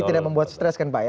tidak membuat stres kan pak ya